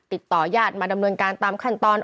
ติดต่อยาดมาดำเนินการตามขั้นตอน